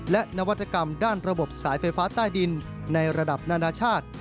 และนวัตกรรมด้านระบบสายไฟฟ้าใต้ดินในระดับนานาชาติ